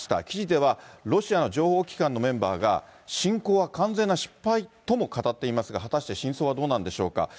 記事ではロシアの情報機関のメンバーが侵攻は完全な失敗とも語っていますが、果たして真相はどうなんでしょうか。